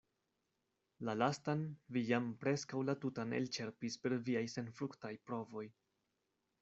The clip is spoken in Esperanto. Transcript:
La lastan vi jam preskaŭ la tutan elĉerpis per viaj senfruktaj provoj.